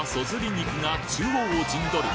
肉が中央を陣取る